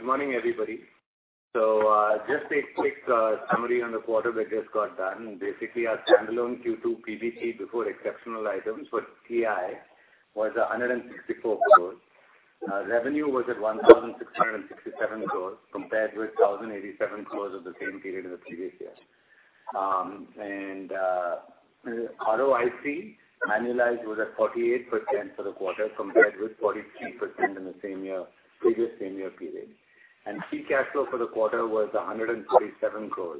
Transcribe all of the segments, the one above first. Good morning, everybody. Just a quick summary on the quarter that just got done. Basically, our standalone Q2 PBT before exceptional items or EI was 164 crore. Revenue was at 1,667 crore compared with 1,087 crore of the same period in the previous year. ROIC annualized was at 48% for the quarter compared with 43% in the same year, previous same year period. Free cash flow for the quarter was 147 crore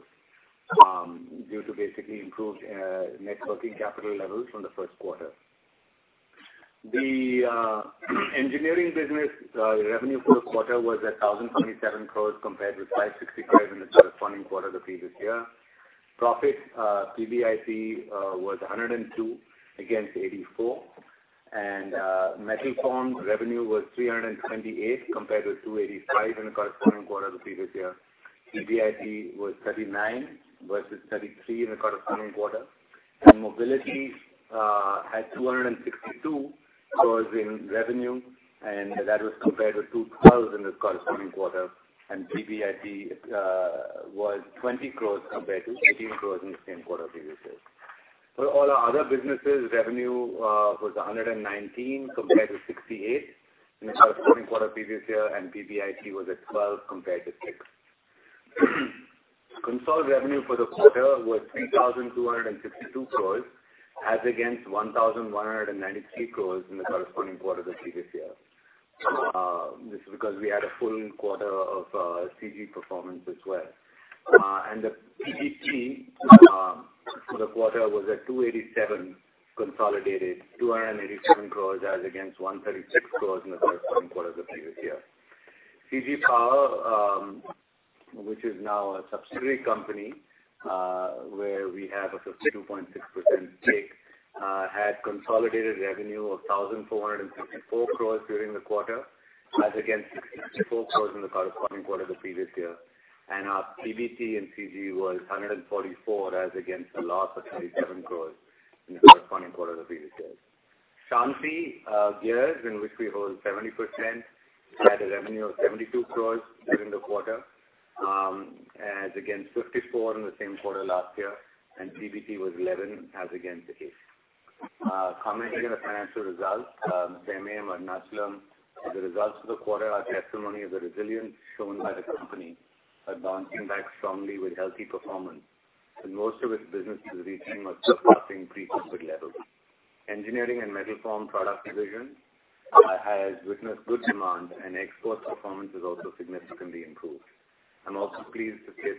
due to basically improved net working capital levels from the first quarter. The engineering business revenue for the quarter was 1,027 crore compared with 560 crore in the corresponding quarter the previous year. Profit PBIT was 102 crore against 84 crore. Metal form revenue was 328 compared with 285 in the corresponding quarter the previous year. PBIT was 39 versus 33 in the corresponding quarter. Mobility had 262 crores in revenue, and that was compared with 200 in the corresponding quarter. PBIT was 20 crores compared to 18 crores in the same quarter previous year. For all our other businesses, revenue was 119 compared to 68 in the corresponding quarter previous year, and PBIT was at 12 compared to 6. Consolidated revenue for the quarter was 3,262 crores as against 1,193 crores in the corresponding quarter the previous year. This is because we had a full quarter of CG performance as well. The PBT for the quarter was at 287 consolidated, INR 287 crores as against 136 crores in the corresponding quarter the previous year. CG Power, which is now a subsidiary company, where we have a 52.6% stake, had consolidated revenue of 1,464 crores during the quarter as against 64 crores in the corresponding quarter the previous year. Our PBT in CG was 144, as against a loss of 27 crores in the corresponding quarter the previous year. Shanthi Gears, in which we hold 70%, had a revenue of 72 crores during the quarter, as against 54 in the same quarter last year, and PBT was 11 as against 8. Commenting on the financial results, same here, Vellayan Subbiah. As a result of the quarter, our testimony to the resilience shown by the company is bouncing back strongly with healthy performance, and most of its businesses retaining or surpassing pre-COVID levels. Engineering and Metal Forming Products division has witnessed good demand and export performance has also significantly improved. I'm also pleased to say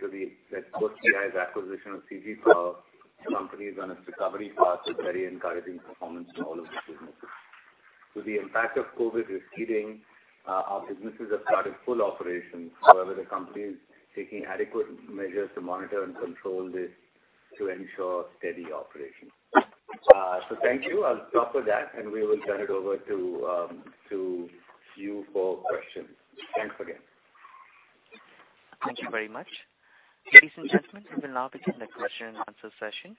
that post TI's acquisition of CG Power, the company is on its recovery path with very encouraging performance in all of its businesses. With the impact of COVID receding, our businesses have started full operations. However, the company is taking adequate measures to monitor and control this to ensure steady operations. Thank you. I'll stop with that, and we will turn it over to you for questions. Thanks again. Thank you very much. Ladies and gentlemen, we will now begin the question and answer session.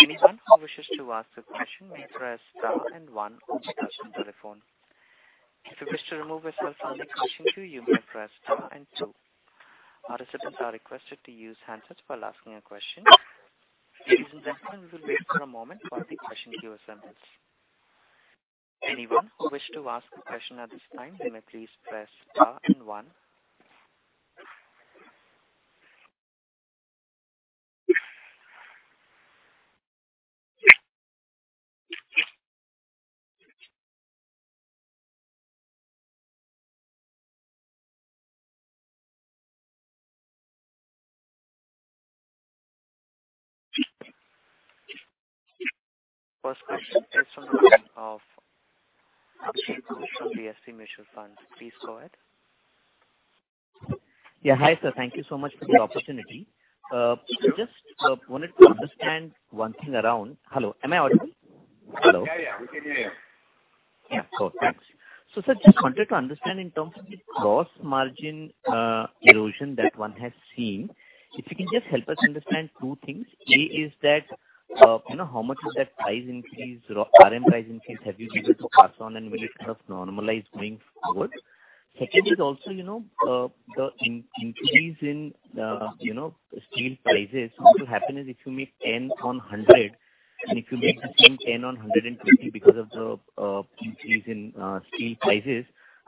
Anyone who wishes to ask a question may press star and one on their telephone. If you wish to remove yourself from the question queue, you may press star and two. Our recipients are requested to use handsets while asking a question. Ladies and gentlemen, we will wait for a moment while the question queue assembles. Anyone who wishes to ask a question at this time, you may please press star and one. First question is from the line of Abhishek Ghosh from DSP Mutual Fund. Please go ahead. Yeah, hi, sir. Thank you so much for the opportunity. Just wanted to understand one thing around. Hello, am I audible? Hello? Yeah, we can hear you. Yeah. Cool. Thanks. Sir, just wanted to understand in terms of the gross margin erosion that one has seen, if you can just help us understand two things. A is that, you know, how much is that price increase, RM price increase have you been able to pass on and will it kind of normalize going forward? Second is also, you know, the increase in, you know, steel prices. What will happen is if you make 10 on 100, and if you make the same 10 on 150 because of the increase in steel prices,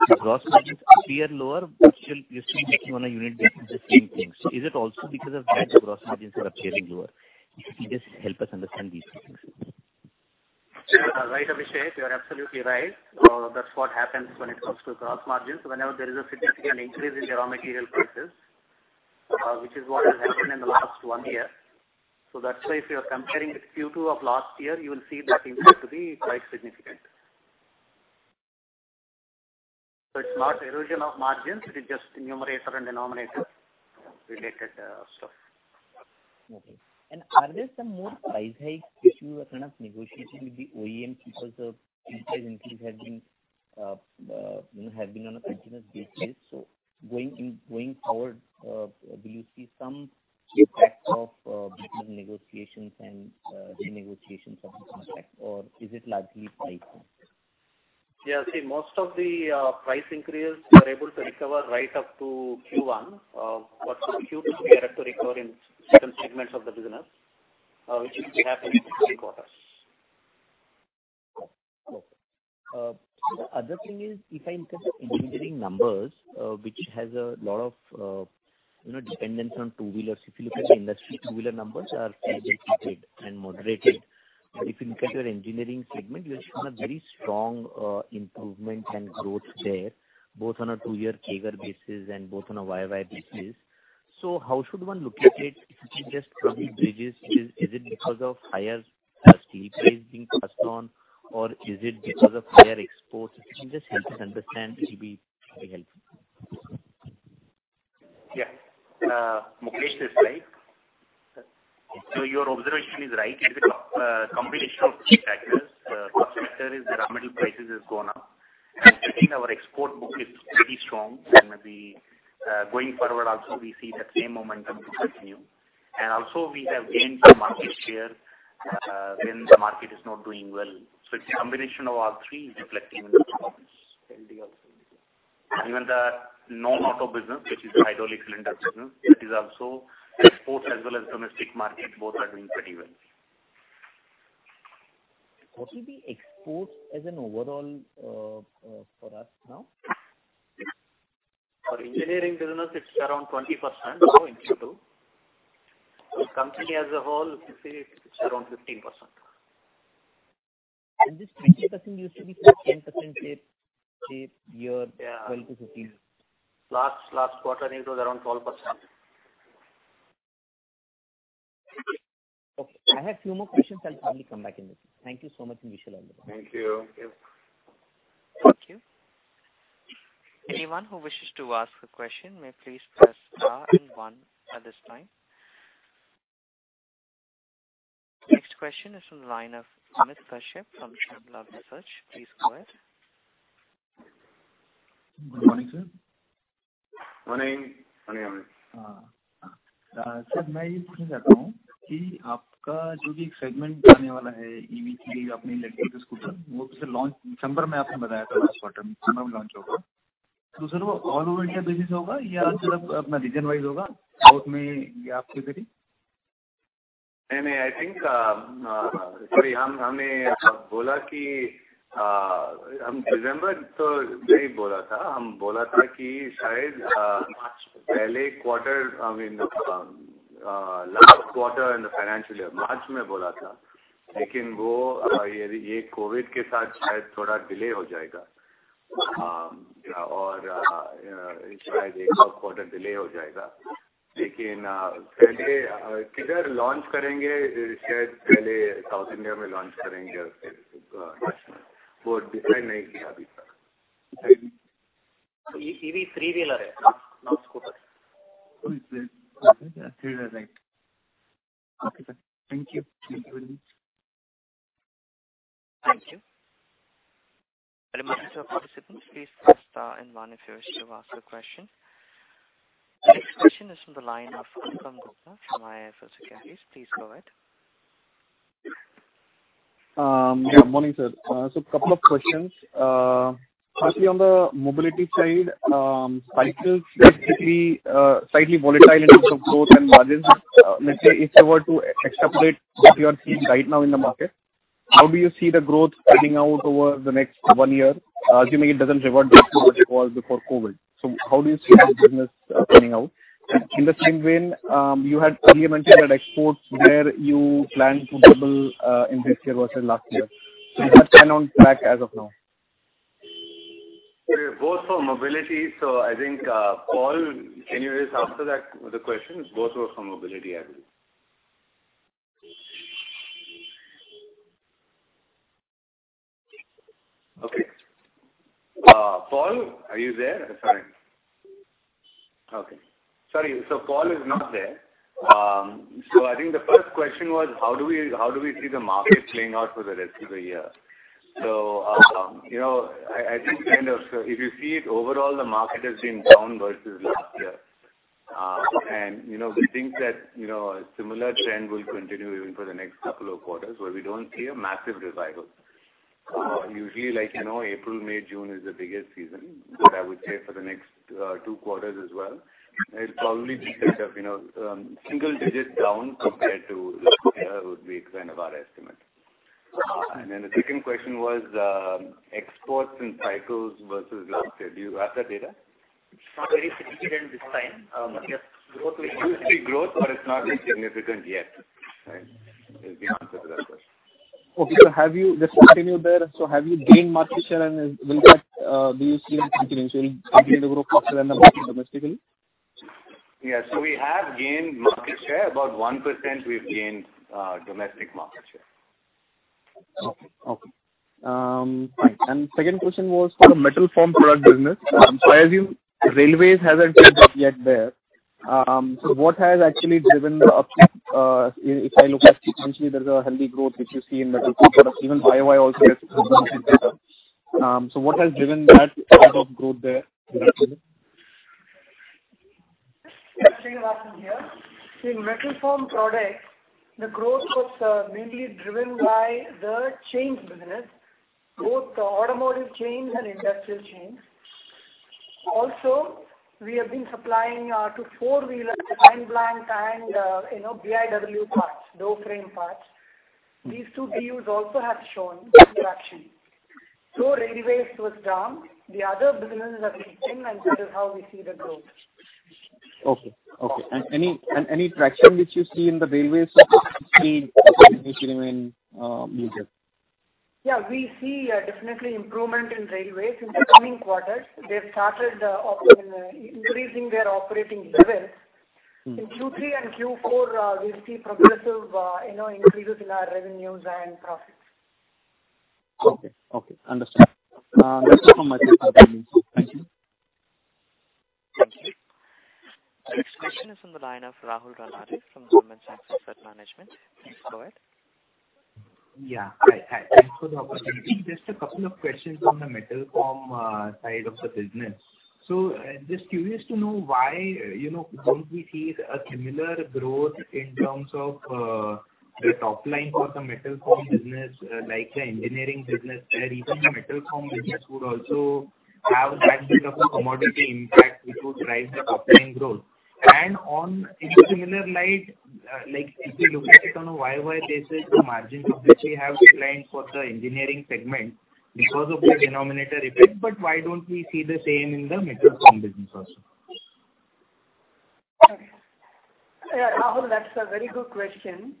the gross margins appear lower, but you're still making on a unit basis the same things. So is it also because of that the gross margins are appearing lower? If you can just help us understand these two things. Sure. Right, Abhishek. You're absolutely right. That's what happens when it comes to gross margins. Whenever there is a significant increase in the raw material prices, which is what has happened in the last one year. That's why if you're comparing with Q2 of last year, you will see that impact to be quite significant. It's not erosion of margins, it is just numerator and denominator related stuff. Okay. Are there some more price hike issue or kind of negotiation with the OEM because the price increase has been, you know, have been on a continuous basis. So going forward, will you see some impact of between negotiations and renegotiations of the contract, or is it largely priced in? Yeah. See, most of the price increase we are able to recover right up to Q1. Q2 we had to recover in certain segments of the business, which will be happening in the third quarter. Okay. The other thing is if I look at the engineering numbers, which has a lot of, you know, dependence on two-wheelers. If you look at the industry, two-wheeler numbers are slightly muted and moderated. If you look at your engineering segment, you are showing a very strong, improvement and growth there, both on a two-year CAGR basis and both on a YoY basis. How should one look at it? Is it just bridging? Is it because of higher steel price being passed on or is it because of higher exports? If you can just help us understand, it'll be very helpful. Yeah. Mukesh is right. Your observation is right. It's a combination of three factors. First factor is the raw material prices has gone up. I think our export book is pretty strong. We going forward also see that same momentum will continue. Also we have gained some market share, when the market is not doing well. It's a combination of all three reflecting in the performance. Healthy also. Even the non-auto business, which is the hydraulic cylinder business, that is also export as well as domestic market, both are doing pretty well. What will be exports as an overall, for us now? For engineering business it's around 20% or 22%. For company as a whole, you see it's around 15%. This 15% used to be 10% say year. Yeah. 12%-15%. Last quarter it was around 12%. Okay. I have few more questions. I'll probably come back in this. Thank you so much, and wish you all the best. Thank you. Thank you. Anyone who wishes to ask a question may please press star and one at this time. Next question is from the line of Amit Kashyap from Subh Labh Research. Please go ahead. Good morning, sir. Morning, Amit. Sir, No. I think, sorry, March quarter. I mean, last quarter in the financial year, March or it's like a quarter delay, South India launch, March. EV Three-Wheeler or not scooter? Oh, it's a EV Three-Wheeler, right. Okay, sir. Thank you. Thank you. Reminder to our participants, please press star and one if you wish to ask a question. Next question is from the line of Anupam Gupta from IIFL Securities. Please go ahead. Good morning, sir. Couple of questions. Firstly on the mobility side, cycles basically, slightly volatile in terms of growth and margins. Let's say if I were to extrapolate what you are seeing right now in the market, how do you see the growth panning out over the next one year, assuming it doesn't revert back to what it was before COVID? How do you see that business panning out? In the same vein, you had earlier mentioned that exports there you plan to double in this year versus last year. Is that plan on track as of now? They're both for mobility, so I think, Paul, can you just answer that, the question? Both were for mobility, I believe. Okay. Paul, are you there? Sorry. Okay. Sorry. Paul is not there. I think the first question was how do we see the market playing out for the rest of the year? You know, I think kind of, if you see it overall the market has been down versus last year. You know, we think that, you know, a similar trend will continue even for the next couple of quarters, where we don't see a massive revival. Usually like, you know, April, May, June is the biggest season. I would say for the next two quarters as well, it'll probably be sort of single digits down compared to last year would be kind of our estimate. The second question was exports in cycles versus last year. Do you have that data? It's not very significant this time. Yes, growth. We do see growth, but it's not been significant yet, right, is the answer to that question. Have you gained market share and do you see it continuing, so you will continue to grow faster than the market domestically? We have gained market share. About 1% we've gained, domestic market share. Fine. Second question was for the metal forming product business. I assume railways hasn't picked up yet there. What has actually driven the uptick? If I look at it, essentially there's a healthy growth which we see in metal forming products. Even YoY also it has been better. What has driven that sort of growth there in that business? In metal forming products, the growth was mainly driven by the chain business, both the automotive chains and industrial chains. Also, we have been supplying to four-wheeler fine blank and, you know, BIW parts, door frame parts. These two BUs also have shown traction. Railways was down, the other businesses are picking, and this is how we see the growth. Okay. Any traction which you see in the railways which remain muted? Yeah, we see definitely improvement in railways in the coming quarters. They've started increasing their operating levels. Mm-hmm. In Q3 and Q4, we'll see progressive, you know, increases in our revenues and profits. Okay. Understood. That's all from my side. Thank you. Thank you. The next question is on the line of Rahul Ranade from Goldman Sachs Asset Management. Please go ahead. Thanks for the opportunity. Just a couple of questions on the Metal Forming side of the business. Just curious to know why, you know, don't we see a similar growth in terms of the top line for the Metal Forming business like the engineering business, where even the Metal Forming business would also have that bit of a commodity impact which would drive the top line growth. In a similar light, like, if you look at it on a YoY basis, the margins which we have seen for the engineering segment because of the denominator effect, but why don't we see the same in the Metal Forming business also? Rahul, that's a very good question.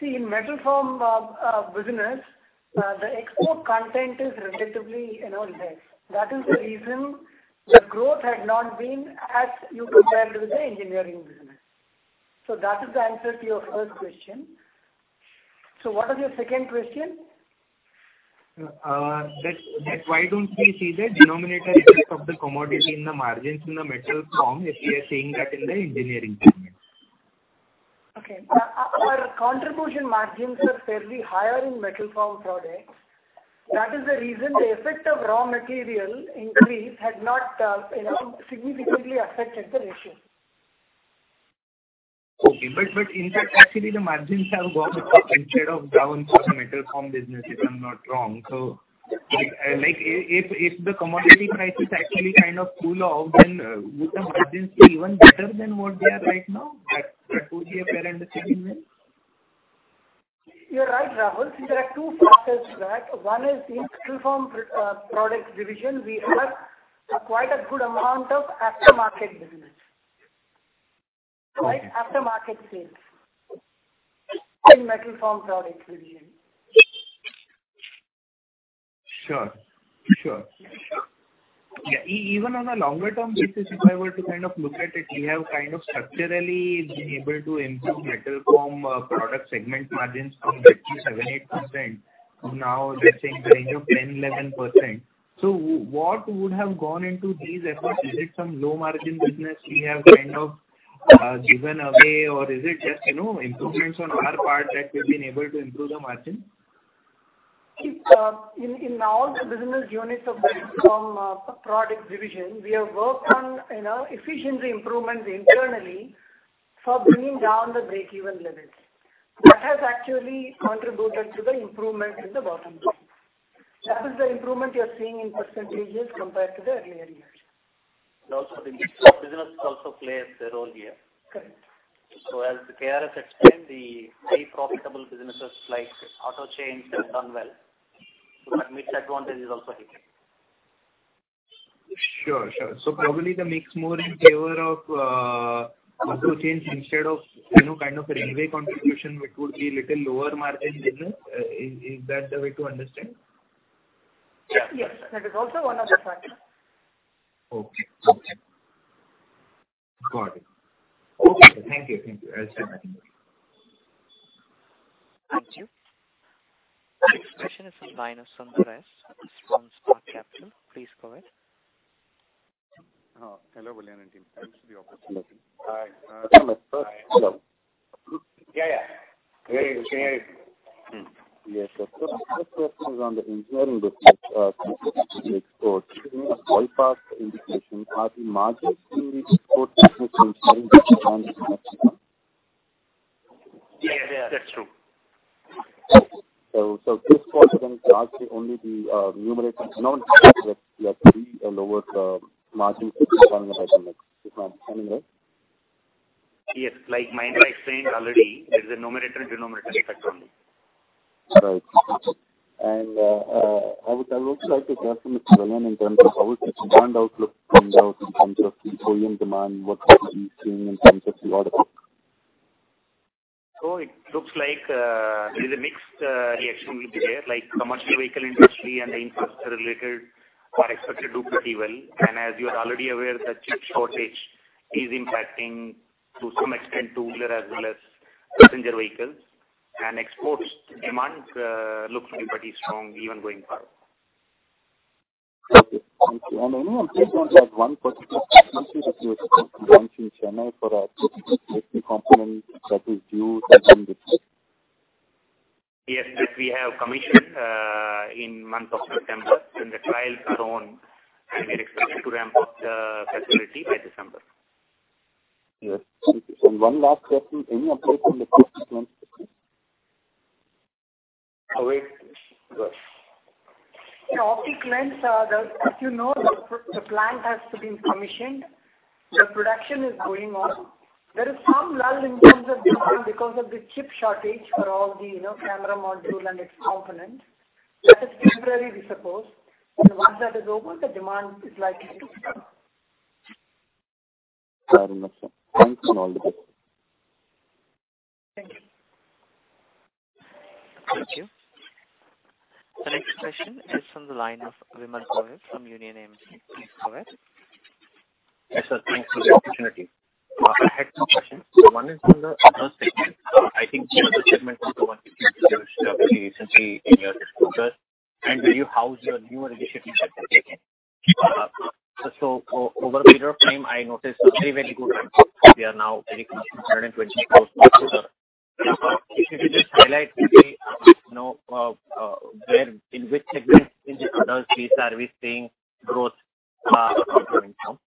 See, in Metal Formed business, the export content is relatively, you know, less. That is the reason the growth had not been as you compared with the engineering business. That is the answer to your first question. What is your second question? Why don't we see the denominator effect of the commodity in the margins in the metal form if we are seeing that in the engineering segment? Okay. Our contribution margins are fairly higher in Metal Formed Products. That is the reason the effect of raw material increase had not, you know, significantly affected the ratio. Okay. In fact, actually the margins have gone up instead of down for the metal forming business, if I'm not wrong. Like if the commodity prices actually kind of cool off, then would the margins be even better than what they are right now, like two-year period sitting there? You're right, Rahul. See, there are two factors to that. One is in metal forming products division, we have a good amount of after-market business. Okay. Right? After-market sales in Metal Formed Products division. Sure. Yeah, even on a longer term basis, if I were to kind of look at it, you have kind of structurally been able to improve Metal Form product segment margins from 50%-70% to now let's say in the range of 10%-11%. What would have gone into these efforts? Is it some low margin business you have kind of given away or is it just, you know, improvements on our part that we've been able to improve the margin? It's in all the business units of the Metal Forming products division. We have worked on, you know, efficiency improvements internally for bringing down the break-even limits. That has actually contributed to the improvement in the bottom line. That is the improvement you are seeing in percentages compared to the earlier years. The mix of business also plays a role here. Correct. As KRS explained, the highly profitable businesses like auto chains have done well. That mix advantage is also here. Sure, sure. Probably the mix more in favor of auto chains instead of, you know, kind of railway contribution which would be little lower margin business. Is that the way to understand? Yes, that is also one of the factors. Okay. Got it. Okay. Thank you. Thank you. I'll share my screen. Thank you. Next question is on the line of Sundareshan Satyamurthy from Spark Capital. Please go ahead. Hello, Vellayan team. Thanks for the opportunity. Hi. Hello. Yeah, yeah. Can you hear me? Yes. The first question is on the engineering business, exports. Given a ballpark indication, are the margins in the export business in line with Yeah, yeah, that's true. This quarter then largely only the numerator is known lower margins on the bottom line. Is my understanding right? Yes. Like Mahendra explained already, there's a numerator and denominator effect only. Right. I would also like to confirm with Vellayan Subbiah in terms of how the demand outlook panned out in terms of the volume demand, what have you seen in terms of the order book? It looks like there is a mixed reaction will be there, like commercial vehicle industry and the infrastructure related are expected to do pretty well. As you are already aware, the chip shortage is impacting to some extent two-wheeler as well as passenger vehicles. Export demand looks to be pretty strong even going forward. Okay. Thank you. On page one, there's one particular country that you have mentioned, Chennai, for a particular safety component that is due second quarter. Yes, yes, we have commissioned in month of September, and the trials are on, and we're expected to ramp up the facility by December. Yes, thank you. One last question, any update on the lens business? Oh, wait. Go on. Yeah, optic lens. If you know, the plant has been commissioned. The production is going on. There is some lull in terms of demand because of the chip shortage for all the, you know, camera module and its components. That is temporary, we suppose. Once that is over, the demand is likely to come. Fair enough, sir. Thanks and all the best. Thank you. Thank you. The next question is from the line of Vimal Gohil from Union AMC. Please go ahead. Yes, sir. Thanks for the opportunity. I had two questions. One is from the Others segment. I think the Others segment contributed very recently in your results, and how will you house your newer initiatives that they're taking. Over a period of time, I noticed a very good ramp-up. We are now very close to 124%. If you could just highlight maybe, you know, in which segment in the Others we are seeing this growth or contribution.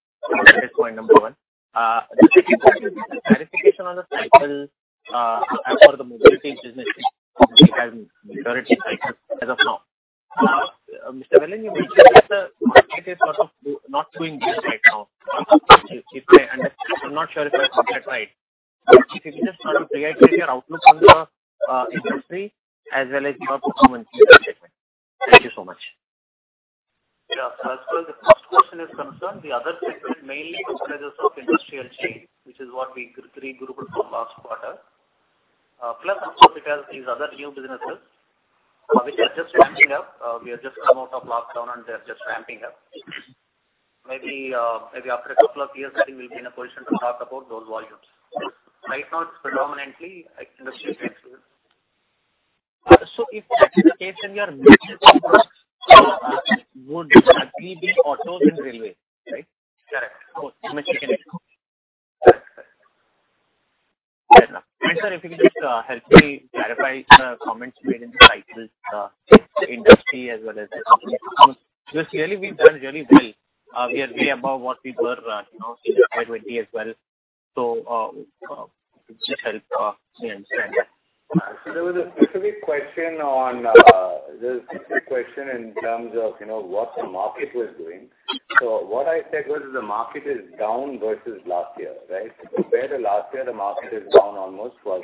That is point number one. The second question is a clarification on the cycles as per the mobility business which has majority cycles as of now. Mr. Vellayan, you mentioned that the market is sort of not doing good right now. I'm not sure if I understood that right. If you could just sort of reiterate your outlook on the industry as well as your performance in that segment. Thank you so much. Yeah. As far as the first question is concerned, the other segment mainly comprises of industrial chain, which is what we acquired, CG, last quarter. Plus also it has these other new businesses, which are just ramping up. We have just come out of lockdown, and they're just ramping up. Maybe after a couple of years, I think we'll be in a position to talk about those volumes. Right now it's predominantly industry-based. If that's the case, then your major customers would actually be autos and railway, right? Correct. Cool. No misconception. Fair enough. Sir, if you could just help me clarify the comments made in the cycles industry as well as your company performance. Because clearly we've done really well. We are way above what we were, you know, in 2020 as well. Just help me understand that. There was a specific question in terms of, you know, what the market was doing. What I said was the market is down versus last year, right? Compared to last year, the market is down almost 12%.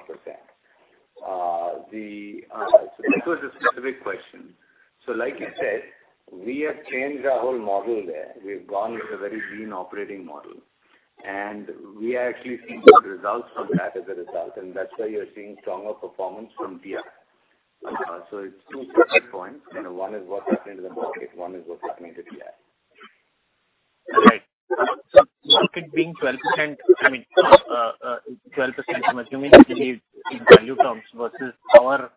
This was a specific question. Like you said, we have changed our whole model there. We've gone with a very lean operating model, and we are actually seeing good results from that as a result. That's why you're seeing stronger performance from TI. It's two separate points. You know, one is what's happening to the market, one is what's happening to TI. Right. Market being 12%, I mean, 12%, I'm assuming it is in value terms versus our,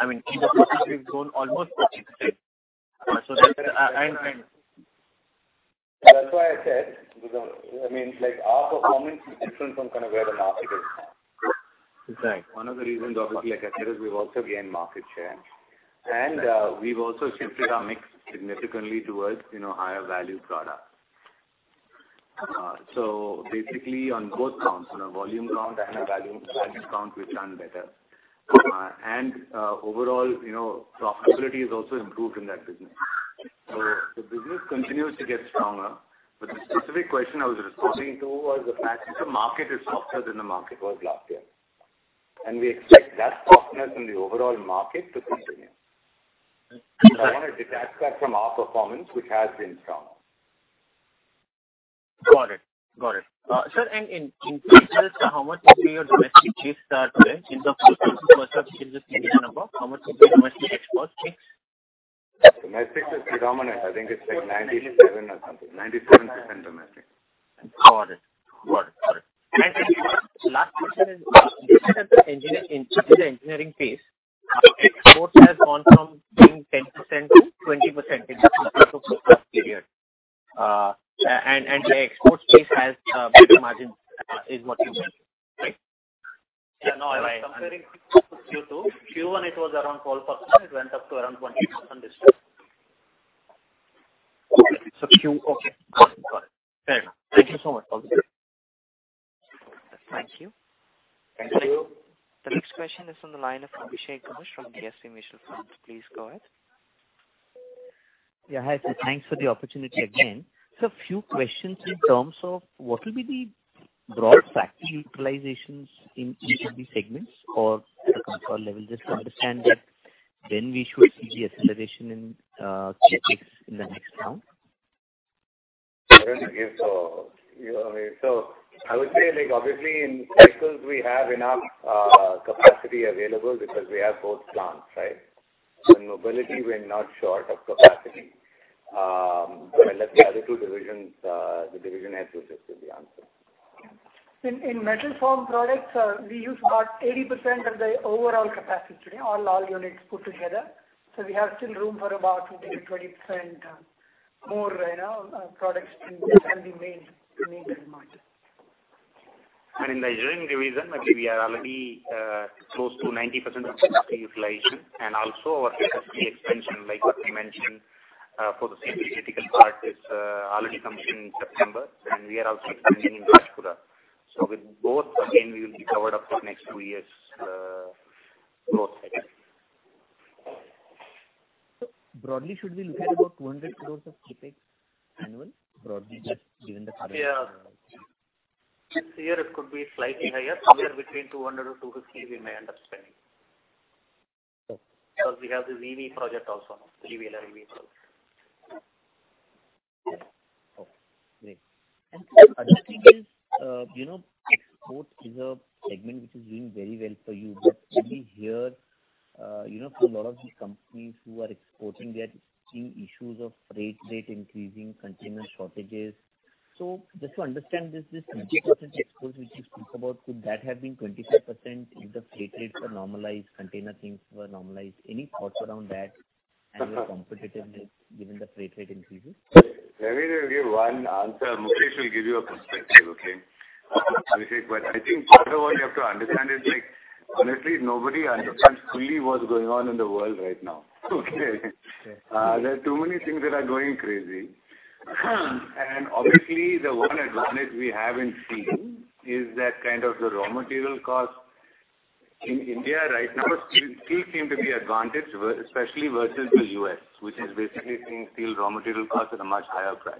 I mean, in the process we've grown almost 14%. So that's. That's why I said, I mean, like, our performance is different from kind of where the market is now. Right. One of the reasons, obviously, like I said, is we've also gained market share. We've also shifted our mix significantly towards, you know, higher value products. Basically on both counts, on a volume count and a value count, we've done better. Overall, you know, profitability has also improved in that business. The business continues to get stronger. The specific question I was responding to was the fact that the market is softer than the market was last year. We expect that softness in the overall market to continue. I wanna detach that from our performance, which has been strong. Got it. Sir, in details, how much is your domestic sales currently? Since, of course, this is the first time since the split has been above, how much is your domestic exports, say? The metric is predominant. I think it's like 97% or something. 97% domestic. Got it. The last question is, given that due to the engineering phase, exports has gone from being 10% to 20% in the first half of this past period. The export space has better margins, is what you said, right? Yeah, no, I was comparing QoQ, too. Q1 it was around 12%. It went up to around 20% this year. Okay. Got it. Fair enough. Thank you so much. Thank you. Thank you. The next question is on the line of Abhishek Ghosh from DSP Mutual Fund. Please go ahead. Yeah. Hi, sir. Thanks for the opportunity again. A few questions in terms of what will be the broad factory utilizations in each of the segments or at a consolidated level? Just to understand when we should see the acceleration in CapEx in the next round. I would say, like, obviously in cycles we have enough capacity available because we have both plants, right? In mobility, we're not short of capacity. I mean, let the other two divisions, the division heads will just give the answer. In metal forming products, we use about 80% of the overall capacity, all units put together. We have still room for about 20% more, you know, products can be made as much. In the engineering division, I think we are already close to 90% of capacity utilization and also our capacity expansion, like what we mentioned, for the critical part is already commissioned in September, and we are also expanding in Rajpura. With both, again, we will be covered up for next two years growth cycle. Broadly, should we look at about 200 crore of CapEx annual, broadly, just given the current- Yeah. This year it could be slightly higher, somewhere between 200-250 we may end up spending. Okay. Because we have the EV project also, EV Three-Wheeler project. Okay. Great. The other thing is, export is a segment which is doing very well for you. When we hear from a lot of these companies who are exporting, they are seeing issues of freight rate increasing, container shortages. Just to understand this 20% exports which you speak about, could that have been 25% if the freight rates were normalized, container things were normalized? Any thoughts around that and your competitiveness given the freight rate increases? Maybe I'll give one answer. Mukesh will give you a perspective, okay? Abhishek, but I think first of all you have to understand is like, honestly, nobody understands fully what's going on in the world right now. Okay. Sure. There are too many things that are going crazy. Obviously, the one advantage we have in steel is that kind of the raw material cost in India right now still seem to be advantaged, especially versus the U.S., which is basically seeing steel raw material costs at a much higher price.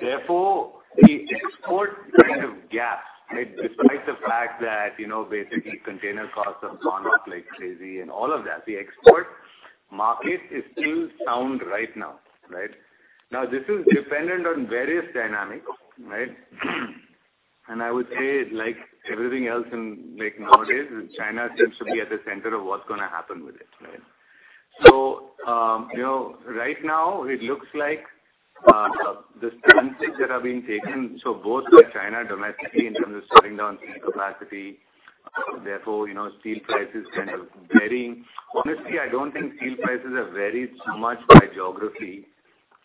Therefore, the export kind of gap, right, despite the fact that, you know, basically container costs have gone up like crazy and all of that, the export market is still sound right now, right? Now, this is dependent on various dynamics, right? I would say like everything else in like nowadays, China seems to be at the center of what's gonna happen with it, right? You know, right now it looks like the stances that are being taken, so both by China domestically in terms of shutting down steel capacity, therefore, you know, steel prices kind of varying. Honestly, I don't think steel prices have varied so much by geography.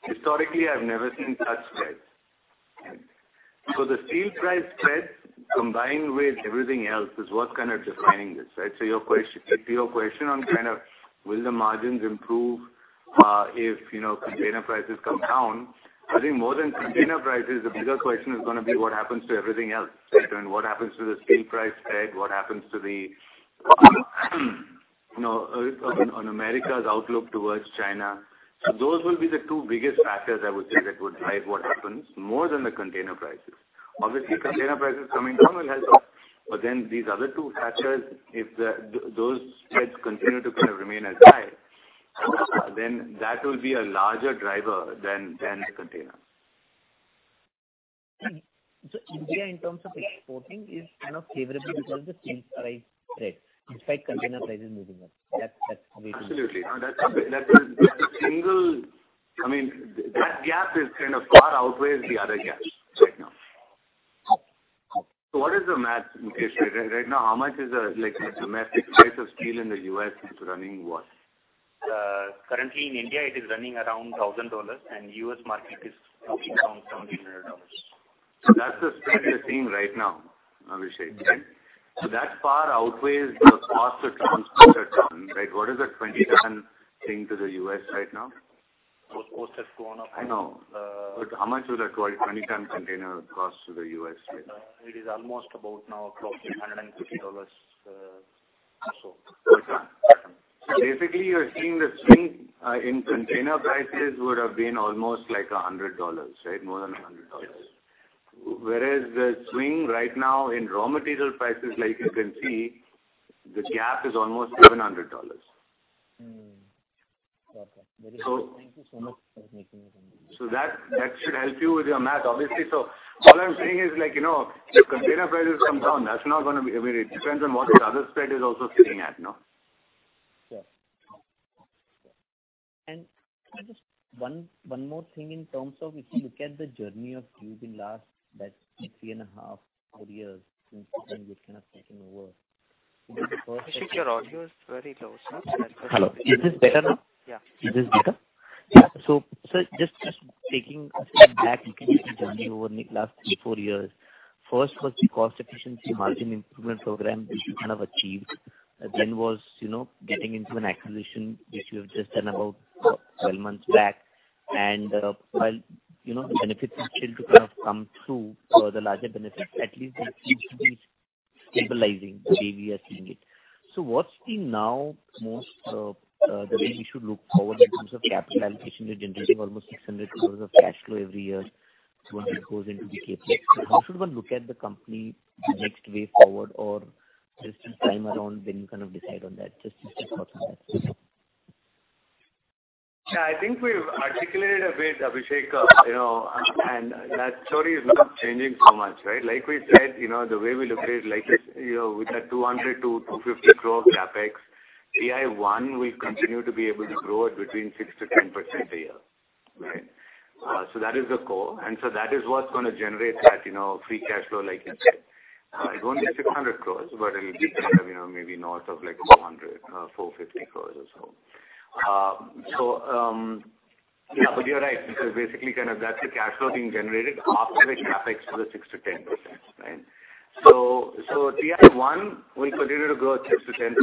Historically, I've never seen such spreads. The steel price spread combined with everything else is what's kind of defining this, right? Your question on kind of will the margins improve, if, you know, container prices come down, I think more than container prices, the bigger question is gonna be what happens to everything else, right? What happens to the steel price spread, what happens to, you know, America's outlook towards China. Those will be the two biggest factors I would say that would drive what happens more than the container prices. Obviously, container prices coming down will help. These other two factors, if those spreads continue to kind of remain as high, then that will be a larger driver than the container. India in terms of exporting is kind of favorable because of the steel price spread despite container prices moving up. Absolutely. No, that's the single. I mean, that gap kind of far outweighs the other gaps right now. What is the math, Mukesh? Right now how much is, like, the domestic price of steel in the U.S. running what? Currently in India it is running around $1,000 and U.S. market is running around $1,700. That's the spread you're seeing right now, Abhishek, right? Yes. that far outweighs the cost to transport that ton, right. What is that 20ton thing to the U.S. right now? Those costs have gone up. I know. Uh- How much would a 20ton container cost to the U.S. right now? It is almost about now crossing $150, or so. Per ton. Basically you're seeing the swing in container prices would have been almost like $100, right? More than $100. Yes. Whereas the swing right now in raw material prices like you can see, the gap is almost $700. Okay. So- Very good. Thank you so much for making it simple. That should help you with your math obviously. All I'm saying is like, you know, if container prices come down, that's not gonna be, I mean, it depends on what the other spread is also sitting at now. Sure. Can I just one more thing in terms of if you look at the journey of TI last, like, three and a half to four years since you've kind of taken over. Abhishek, your audio is very low, sir. Hello. Is this better now? Yeah. Is this better? Yeah. Sir, just taking a step back, looking at the journey over the last three to four years. First was the cost efficiency margin improvement program which you kind of achieved. Then was, you know, getting into an acquisition, which you have just done about 12 months back. While, you know, the benefits are still to kind of come through, the larger benefits, at least it seems to be stabilizing the way we are seeing it. What's now the most the way we should look forward in terms of capital allocation, you're generating almost 600 crores of cash flow every year, so when it goes into the CapEx. How should one look at the company the next way forward or just in time around when you kind of decide on that? Just your thoughts on that. I think we've articulated a bit, Abhishek, you know, and that story is not changing so much, right? Like we said, you know, the way we look at it, like, you know, with that 200 crore- 250 crore CapEx, TI-1 will continue to be able to grow at between 6%-10% a year, right? That is the core. That is what's gonna generate that, you know, free cash flow like you said. It won't be 600 crore, but it'll be kind of, you know, maybe north of like 400 crore-450 crore or so. But you're right. Basically, kind of that's the cash flow being generated after the CapEx to the 6%-10%, right? TI-1 will continue to grow at 6%-10%.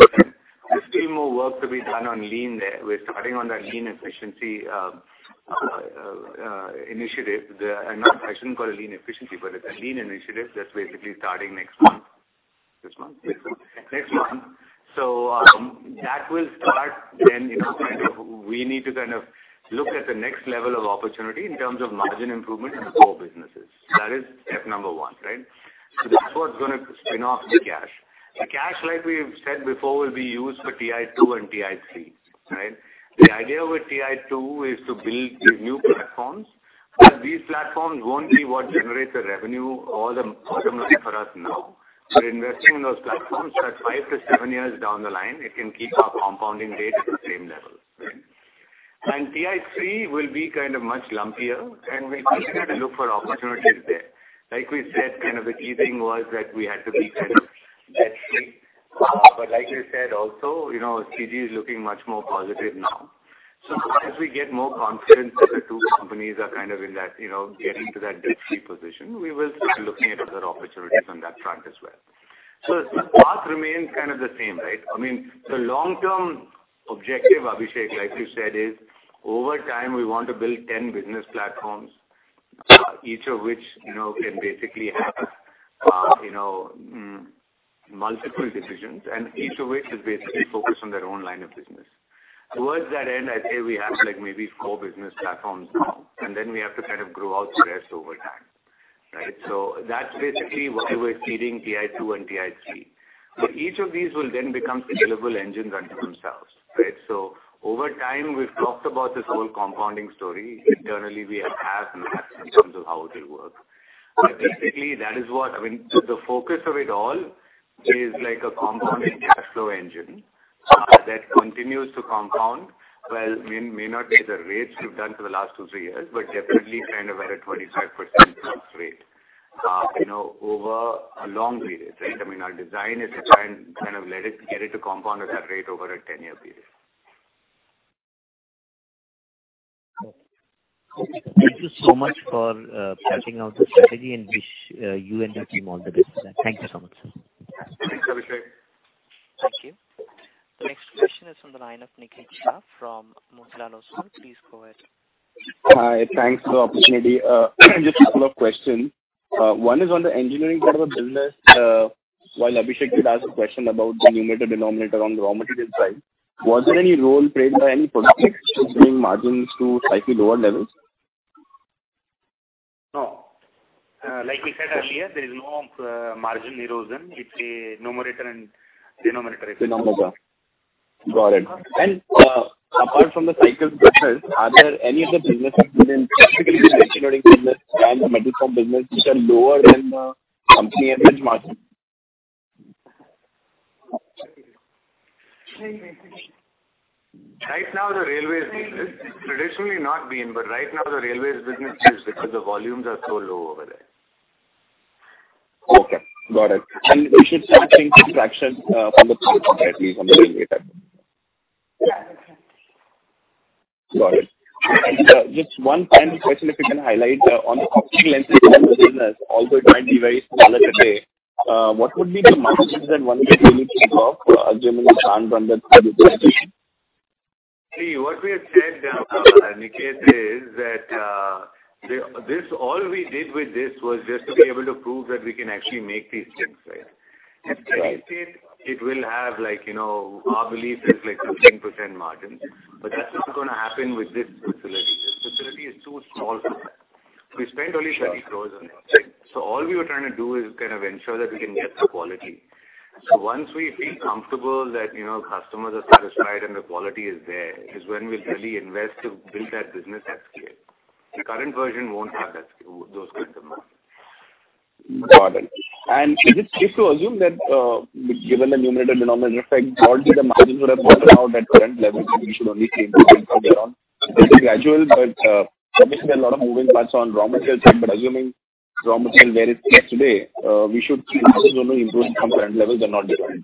There's still more work to be done on lean there. We're starting on that lean efficiency initiative. I shouldn't call it lean efficiency, but it's a lean initiative that's basically starting next month. This month? This month. Next month. That will start then, you know, kind of we need to kind of look at the next level of opportunity in terms of margin improvement in the core businesses. That is step number one, right? That's what's gonna spin off the cash. The cash, like we've said before, will be used for TI-2 and TI-3, right? The idea with TI-2 is to build these new platforms, but these platforms won't be what generates the revenue or the bottom line for us now. We're investing in those platforms, so that five to seven years down the line it can keep our compounding rate at the same level, right? TI-3 will be kind of much lumpier, and we still got to look for opportunities there. Like we said, kind of the key thing was that we had to be kind of debt-free. Like we said, also, you know, CG is looking much more positive now. As we get more confidence that the two companies are kind of in that, you know, getting to that debt-free position, we will start looking at other opportunities on that front as well. The path remains kind of the same, right? I mean, the long-term objective, Abhishek, like we said, is over time, we want to build 10 business platforms, each of which, you know, can basically have multiple divisions and each of which is basically focused on their own line of business. Towards that end, I'd say we have like maybe four business platforms now, and then we have to kind of grow out the rest over time, right? That's basically why we're seeding TI-2 and TI-3. Each of these will then become deliverable engines unto themselves, right? Over time, we've talked about this whole compounding story. Internally we have maps in terms of how it will work. Basically, that is what I mean, the focus of it all is like a compounding cash flow engine that continues to compound. May not be the rates we've done for the last two, three years, but definitely kind of at a 25%+ rate, you know, over a long period, right? I mean, our design is designed to kind of let it get it to compound at that rate over a 10-year period. Thank you so much for charting out the strategy and wish you and your team all the best, sir. Thank you so much, sir. Thanks, Abhishek. Thank you. The next question is from the line of Niket Shah from Motilal Oswal. Please go ahead. Hi. Thanks for the opportunity. Just a couple of questions. One is on the engineering part of the business. While Abhishek did ask a question about the numerator denominator on the raw material side, was there any role played by any product mix which bring margins to slightly lower levels? No. Like we said earlier, there is no margin erosion. It's a numerator and denominator effect. Nominal. Got it. Apart from the cycle business, are there any other businesses within, particularly the engineering business and the metal forming business which are lower than the company average margin? Right now, the railways business. Traditionally, it has not been, but right now, the railways business. It's because the volumes are so low over there. Okay, got it. We should see things improve gradually. Just one final question, if you can highlight on the optic lens business, although it might be very small today, what would be the margin that one can realistically hope, given the plant run rate and so on and so forth? See, what we have said, Niket, is that this all we did with this was just to be able to prove that we can actually make these chips, right? Right. In steady state it will have like, you know, our belief is like 15% margin, but that's not gonna happen with this facility. This facility is too small for that. We spent only 30 crores on it. Sure. Right. All we were trying to do is kind of ensure that we can get the quality. Once we feel comfortable that, you know, customers are satisfied and the quality is there, is when we'll really invest to build that business at scale. The current version won't have those kinds of margins. Got it. Is it safe to assume that, given the numerator denominator effect, broadly the margins would have bottomed out at current levels and we should only see improvement from here on? It's a gradual but, obviously there are a lot of moving parts on raw material side, but assuming raw material where it's at today, we should see margins only improve from current levels and not decline.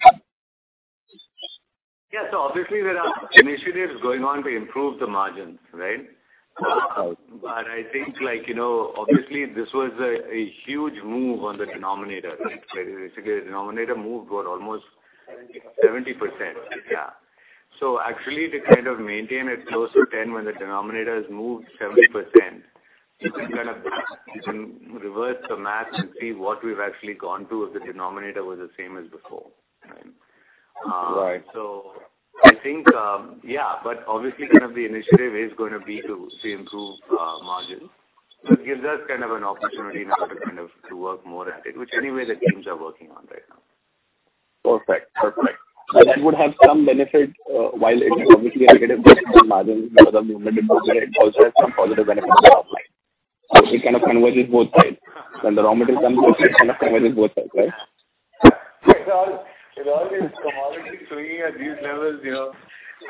Yeah. Obviously there are initiatives going on to improve the margins, right? Okay. I think like, you know, obviously this was a huge move on the denominator, right? Basically, the denominator moved for almost. 70%. 70%. Yeah. Actually to kind of maintain it close to 10% when the denominator has moved 70%, you can kind of reverse the math and see what we've actually gone to if the denominator was the same as before, right? Right. I think, yeah. Obviously kind of the initiative is gonna be to improve margin. It gives us kind of an opportunity now to kind of do work more at it, which anyway the teams are working on right now. Perfect. That would have some benefit, while it's obviously a negative margin because of numerator, but it also has some positive benefit on the top line. So it kind of converges both sides. When the raw material comes in it kind of converges both sides, right? It all is commodity sitting at these levels, you know.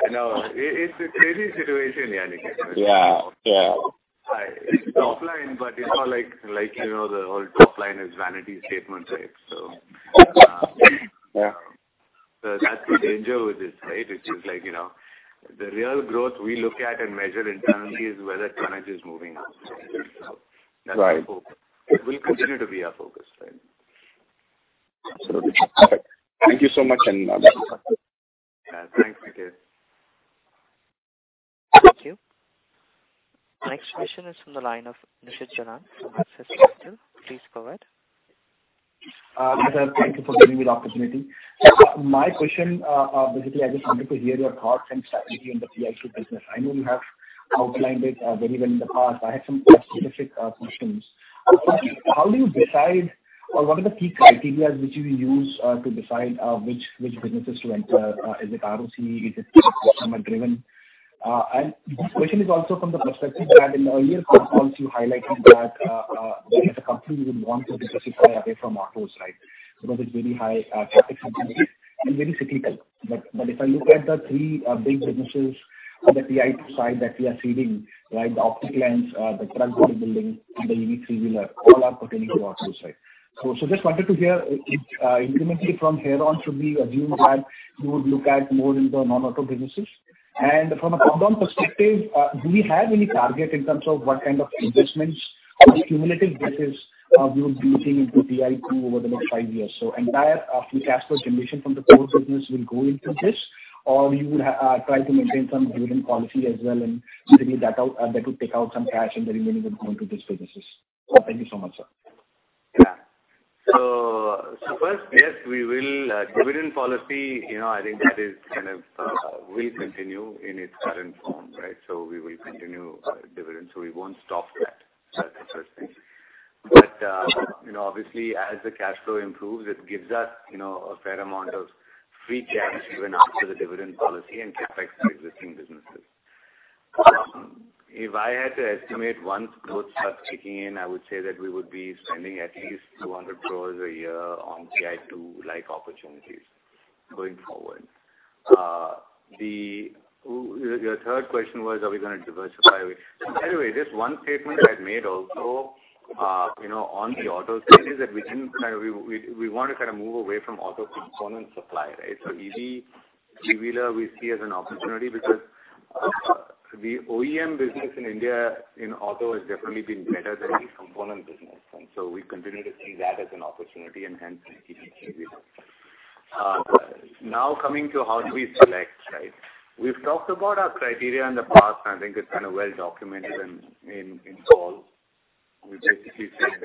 You know, it's a crazy situation here, Niket. Yeah. Yeah. It's top line, but it's not like you know, the whole top line is vanity statement, right? Yeah. That's the danger with this, right? Which is like, you know, the real growth we look at and measure internally is whether tonnage is moving or not. Right. That's our focus. Will continue to be our focus, right? Absolutely. Perfect. Thank you so much, and bye-bye. Yeah, thanks, Niket. Thank you. Next question is from the line of Nishit Jalan from Axis Capital. Please go ahead. Hi, sir. Thank you for giving me the opportunity. My question basically, I just wanted to hear your thoughts and strategy on the TI-2 business. I know you have outlined it very well in the past. I have some specific questions. First, how do you decide or what are the key criteria which you use to decide which businesses to enter? Is it ROC? Is it customer driven? This question is also from the perspective that in earlier con calls you highlighted that there is a company you would want to diversify away from autos, right? Because it's very high CapEx intensity and very cyclical. If I look at the three big businesses on the TI-2 side that we are seeding, right? The optic lens, the truck body building, and the EV Three-Wheeler all are pertaining to auto side. Just wanted to hear, incrementally from here on, should we assume that you would look more into non-auto businesses? From a top-down perspective, do we have any target in terms of what kind of investments or cumulative bets we would be seeing into TI-2 over the next five years? The entire free cash flow generation from the core business will go into this, or you would try to maintain some dividend policy as well and distribute that out, that would take out some cash and the remaining would go into these businesses. Thank you so much, sir. First, yes, dividend policy, you know, I think that will kind of continue in its current form, right? We will continue dividend, so we won't stop that. That's the first thing. You know, obviously, as the cash flow improves, it gives us, you know, a fair amount of free cash even after the dividend policy and CapEx for existing businesses. If I had to estimate once growth starts kicking in, I would say that we would be spending at least 200 crores a year on TI-2 like opportunities going forward. Your third question was, are we gonna diversify away? Anyway, just one statement I'd made also, you know, on the auto space is that we wanna kind of move away from auto component supply, right? EV Three-Wheeler we see as an opportunity because the OEM business in India, in auto has definitely been better than the component business. We continue to see that as an opportunity and hence the EV Three-Wheeler. Now coming to how do we select, right? We've talked about our criteria in the past. I think it's kind of well documented in calls. We basically said,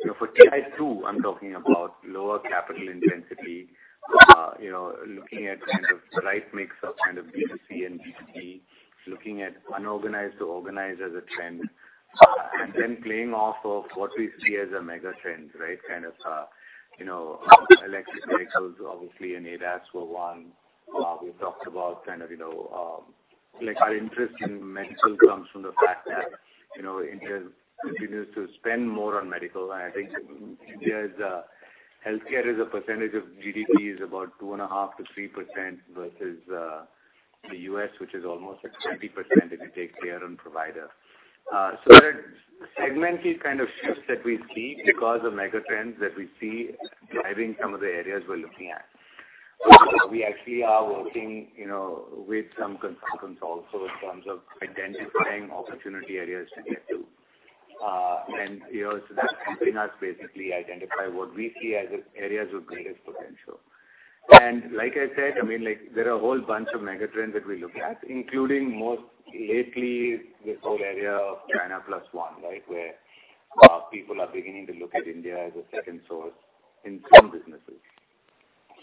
you know, for TI-2, I'm talking about lower capital intensity. You know, looking at kind of the right mix of kind of B2C and B2B, looking at unorganized to organized as a trend, and then playing off of what we see as a mega trend, right? Kind of, you know, electric vehicles obviously, and ADAS were one. We talked about kind of, you know, like our interest in medical comes from the fact that, you know, India continues to spend more on medical. I think India's healthcare as a percentage of GDP is about 2.5%-3% versus the U.S., which is almost at 20% if you take healthcare and providers. There are segment kind of shifts that we see because of mega trends that we see driving some of the areas we're looking at. We actually are working, you know, with some consultants also in terms of identifying opportunity areas to get to. That's helping us basically identify what we see as areas with greatest potential. Like I said, I mean, like there are a whole bunch of mega trends that we look at, including most lately, this whole area of China Plus One, right? Where, people are beginning to look at India as a second source in some businesses.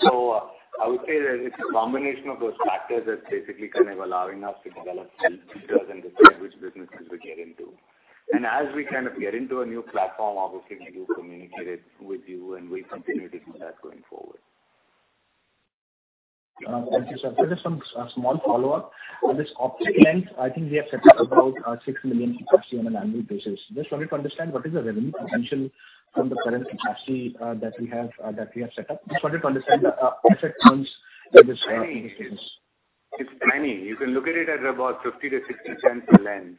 I would say that it's a combination of those factors that's basically kind of allowing us to develop filters and decide which businesses we get into. As we kind of get into a new platform, obviously we do communicate it with you and we'll continue to do that going forward. Thank you, sir. Just some small follow-up. On this optic lens, I think we have set up about 6 million capacity on an annual basis. Just wanted to understand what is the revenue potential from the current capacity that we have set up. Just wanted to understand the asset turns in this business. It's tiny. You can look at it at about $0.50-$0.60 a lens,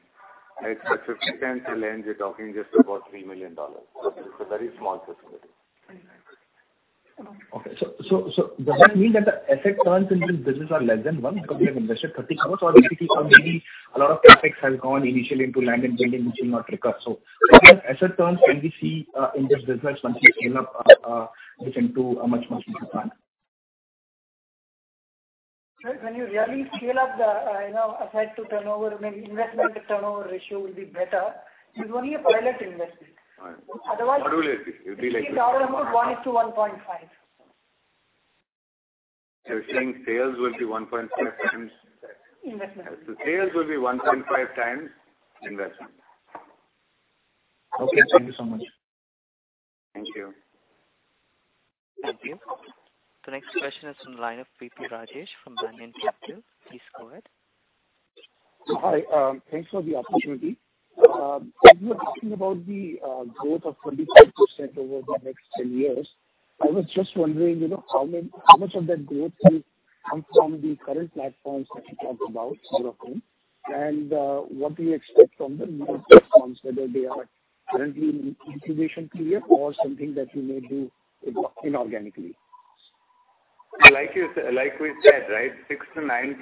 right? $0.50 a lens, you're talking just about $3 million. It's a very small business. Okay. Does that mean that the asset turns in this business are less than one because we have invested 30 crore or basically or maybe a lot of CapEx has gone initially into land and building which will not recur? What asset turns can we see in this business once we scale up this into a much, much bigger plan? Sir, when you really scale up the, you know, asset to turnover, maybe investment to turnover ratio will be better. This is only a pilot investment. Right. Otherwise- What will it be? It will be around about 1x-1.5x. You're saying sales will be 1.5x? Investment. Sales will be 1.5x investment. Okay. Thank you so much. Thank you. Thank you. The next question is from the line of Pradeep Prasad from IDFC Securities. Please go ahead. Hi. Thanks for the opportunity. When you were talking about the growth of 45% over the next 10 years, I was just wondering, you know, how much of that growth will come from the current platforms that you talked about, zero chrome, and what do you expect from the new platforms, whether they are currently in incubation period or something that you may do inorganically. Like we said, right, 6%-9%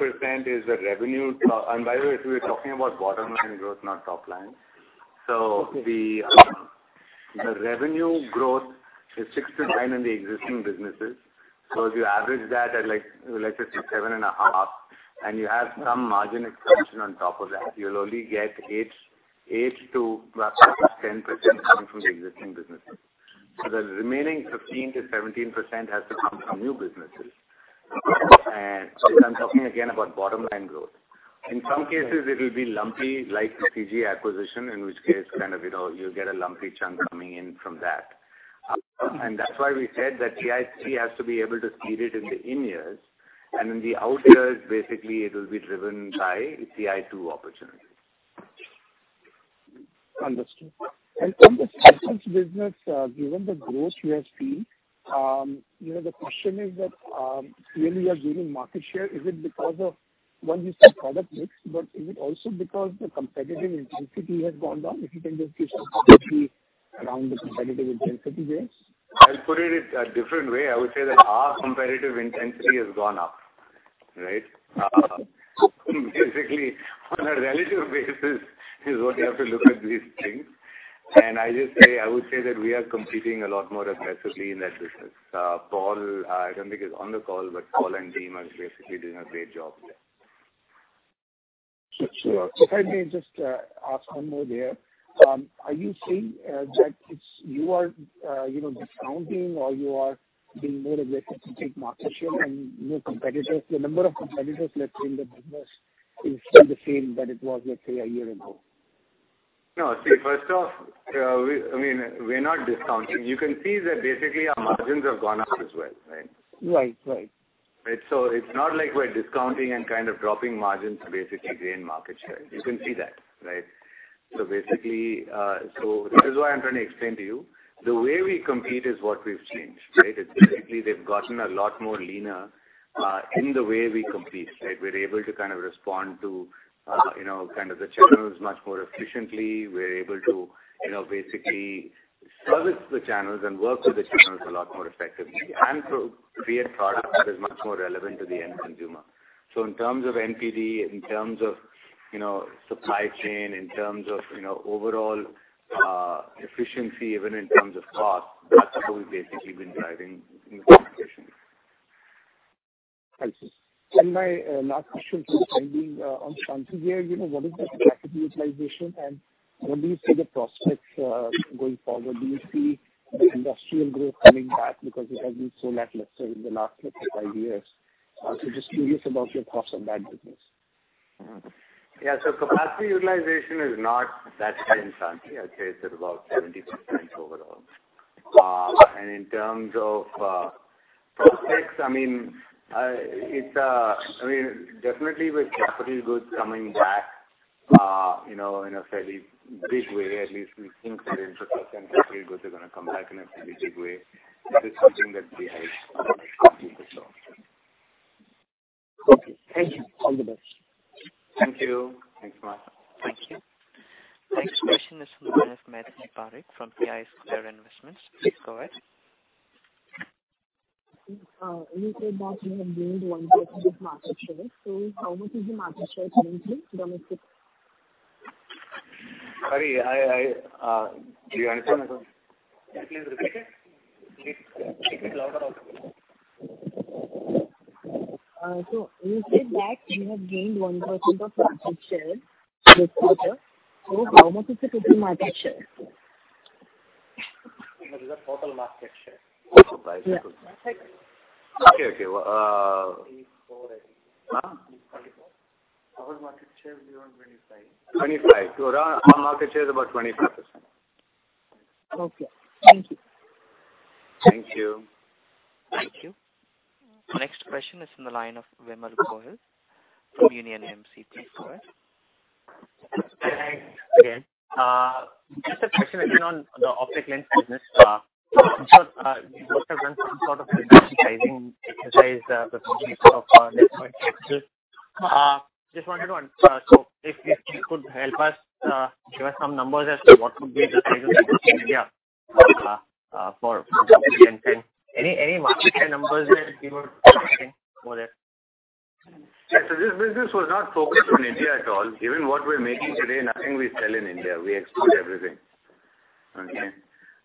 is the revenue. By the way, we're talking about bottom line growth, not top line. Okay. The revenue growth is 6%-9% in the existing businesses. If you average that at like, let's say seven and a half, and you have some margin expansion on top of that, you'll only get 8%-10% coming from the existing businesses. The remaining 15%-17% has to come from new businesses. I'm talking again about bottom line growth. In some cases, it will be lumpy like the CG acquisition, in which case, kind of, you know, you'll get a lumpy chunk coming in from that. That's why we said that TI-3 has to be able to seed it in the years, and in the out years, basically it will be driven by TI-2 opportunities. Understood. From the business, given the growth you have seen, you know, the question is that, clearly you are gaining market share. Is it because of, one, you said product mix, but is it also because the competitive intensity has gone down? If you can just give some clarity around the competitive intensity there. I'll put it a different way. I would say that our competitive intensity has gone up, right? Basically on a relative basis is what you have to look at these things. I would say that we are competing a lot more aggressively in that business. Paul, I don't think, is on the call, but Paul and team are basically doing a great job there. Sure. If I may just ask one more there. Are you seeing that it's you are, you know, discounting or you are being more aggressive to take market share and your competitors, the number of competitors, let's say, in the business is still the same that it was, let's say, a year ago? No. See, first off, I mean, we're not discounting. You can see that basically our margins have gone up as well, right? Right. Right. Right. It's not like we're discounting and kind of dropping margins to basically gain market share. You can see that, right? Basically, this is why I'm trying to explain to you the way we compete is what we've changed, right? It's basically they've gotten a lot more leaner in the way we compete, right? We're able to kind of respond to you know, kind of the channels much more efficiently. We're able to you know, basically service the channels and work with the channels a lot more effectively and to create product that is much more relevant to the end consumer. In terms of NPD, in terms of you know, supply chain, in terms of you know, overall efficiency, even in terms of cost, that's how we've basically been driving in this situation. Thank you. My last question for the time being on Shanthi here, you know, what is the capacity utilization and what do you see the prospects going forward? Do you see the industrial growth coming back? Because it has been so, let's say, in the last five years. Just curious about your thoughts on that business. Yeah. Capacity utilization is not that high in Shanthi. I'd say it's at about 70% overall. In terms of prospects, I mean, it's definitely with capital goods coming back, you know, in a fairly big way. At least we think that infrastructure and capital goods are gonna come back in a fairly big way. That is something that we are quite confident of. Okay. Thank you. All the best. Thank you. Thanks a lot. Thank you. Next question is from the line of Mitul Shah from Reliance Securities. Please go ahead. You said that you have gained 1% of market share. How much is the market share change in domestic? Sorry. Do you understand? Yeah, please repeat it. Please speak a little louder. You said that you have gained 1% of market share this quarter. How much is the total market share? He said total market share. Okay. Huh? Our market share will be around 25%. Our market share is about 25%. Okay. Thank you. Thank you. Thank you. Next question is from the line of Vimal Gohil from Union AMC. Please go ahead. Thanks again. Just a question again on the optic lens business. You both have done some sort of capacity sizing exercise for future of lens point lenses. If you could help us give us some numbers as to what could be the sizes in India for lens, any market share numbers that you would be sharing for that? Yeah. This business was not focused on India at all. Given what we're making today, nothing we sell in India. We export everything. Okay?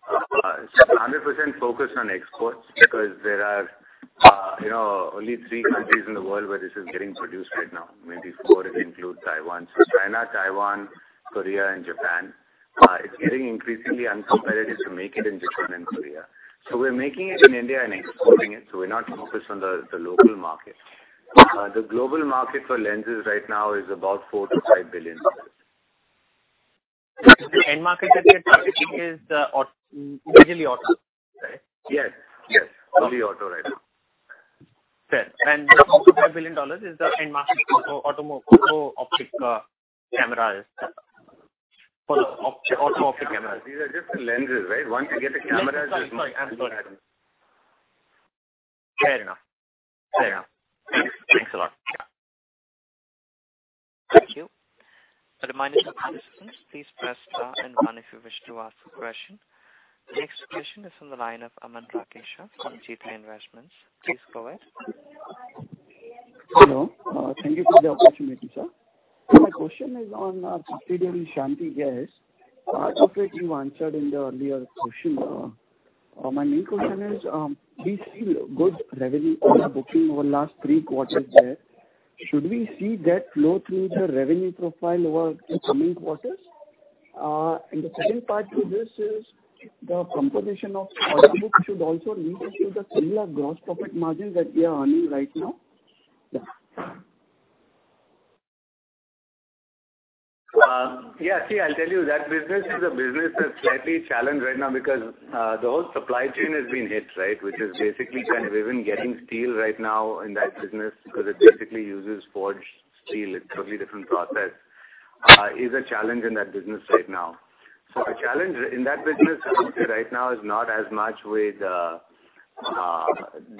It's 100% focused on exports because there are only 3 countries in the world where this is getting produced right now. Maybe four if you include Taiwan. China, Taiwan, Korea and Japan. It's getting increasingly uncompetitive to make it in Japan and Korea. We're making it in India and exporting it. We're not focused on the local market. The global market for lenses right now is about $4 billion-$5 billion. The end market that you're targeting is usually auto, right? Yes. Yes. It'll be auto right now. Fair. The $4 billion-$5 billion is the end market for optic cameras. For automotive optic cameras. These are just the lenses, right? Once you get the cameras. I'm sorry. Thank you. I remind you, participants, please press star and one if you wish to ask a question. The next question is from the line of Aman Raizada from Jeetay Investments. Please go ahead. Hello. Thank you for the opportunity, sir. My question is on Shanthi Gears. You answered in the earlier question. My main question is, we see good revenue booking over last three quarters there. Should we see that flow through the revenue profile over the coming quarters? The second part to this is the composition of order book should also lead us to the similar gross profit margin that we are earning right now. Yeah. Yeah, see, I'll tell you that business is a business that's slightly challenged right now because the whole supply chain has been hit, right? Which is basically kind of even getting steel right now in that business, because it basically uses forged steel. It's totally different process. Is a challenge in that business right now. So the challenge in that business, I would say right now is not as much with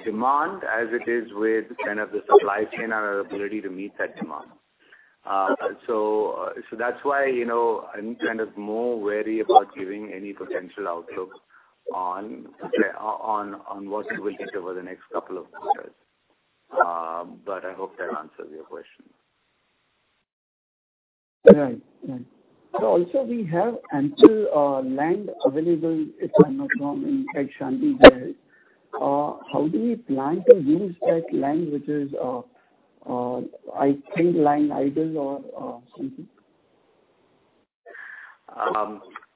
demand as it is with kind of the supply chain and our ability to meet that demand. So that's why, you know, I'm kind of more wary about giving any potential outlook on on what we will get over the next couple of quarters. But I hope that answers your question. Right. Yeah. Also we have unused land available, if I'm not wrong, in Shanthi Gears. How do we plan to use that land, which is, I think, lying idle or something?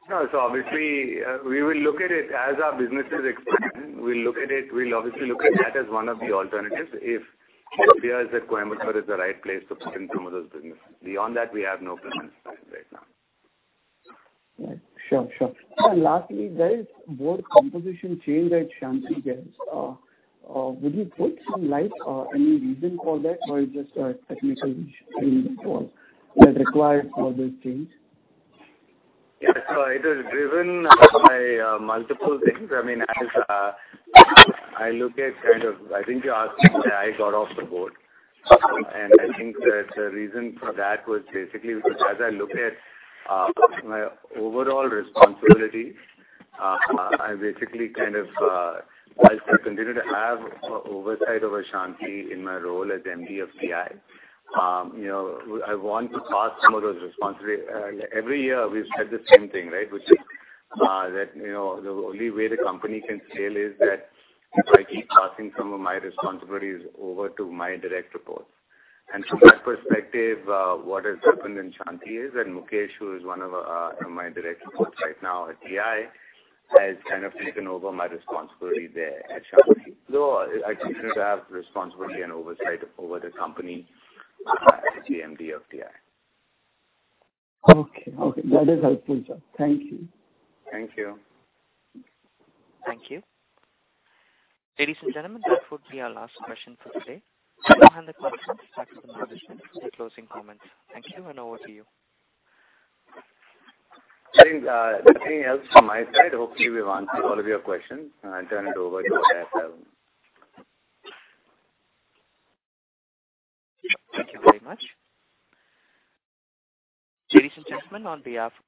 No. Obviously, we will look at it as our business is expanding. We'll look at it. We'll obviously look at that as one of the alternatives. If it appears that Coimbatore is the right place to put in some of those businesses. Beyond that, we have no plans right now. Right. Sure. Lastly, there is board composition change at Shanthi Gears. Would you shed some light on any reason for that or just a technical reason for that required for this change? Yeah. It is driven by multiple things. I mean, as I look at kind of I think you asked me why I got off the board, and I think that the reason for that was basically because as I look at my overall responsibility, I basically kind of while I continue to have oversight over Shanthi in my role as MD of TI, you know, I want to pass some of those responsibilities. Every year we've said the same thing, right? Which is, that you know, the only way the company can scale is that if I keep passing some of my responsibilities over to my direct reports. From that perspective, what has happened in Shanthi is, and Mukesh, who is one of my direct reports right now at TI, has kind of taken over my responsibility there at Shanthi. I continue to have responsibility and oversight over the company as GMD of TI. Okay. Okay, that is helpful, sir. Thank you. Thank you. Thank you. Ladies and gentlemen, that would be our last question for today. Closing comments. Thank you and over to you. I think, nothing else from my side. Hopefully, we've answered all of your questions. I turn it over to Operator. Thank you very much. Ladies and gentlemen, on behalf.